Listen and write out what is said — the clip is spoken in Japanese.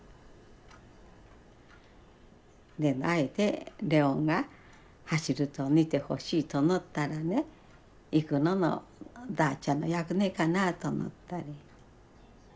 でもあえて麗桜が走るとこ見てほしいと思ったらね行くのもばあちゃんの役目かなと思ったり。